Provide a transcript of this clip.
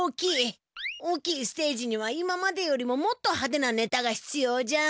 大きいステージには今までよりももっとはでなネタがひつようじゃ。